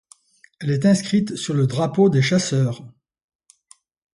Elle est inscrite sur le drapeau des chasseurs.